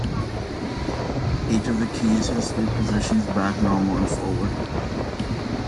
Each of the keys has three positions: back, normal and forward.